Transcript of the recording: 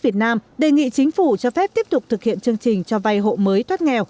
việt nam đề nghị chính phủ cho phép tiếp tục thực hiện chương trình cho vay hộ mới thoát nghèo